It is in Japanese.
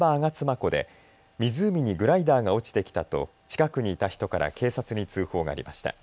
湖で湖にグライダーが落ちてきたと近くにいた人から警察に通報がありました。